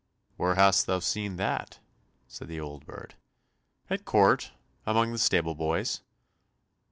"Where hast thou seen that?" said the old bird. "At court, among the stable boys."